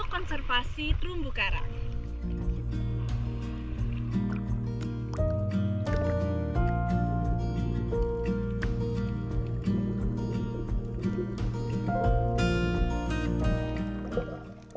untuk mencari penyelam yang terbaik kita harus mencari penyelam yang terbaik